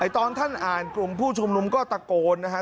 ตอนท่านอ่านกลุ่มผู้ชุมนุมก็ตะโกนนะฮะ